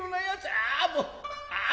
ああもうああ